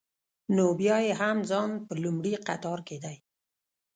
نو بیا یې هم ځای په لومړي قطار کې دی.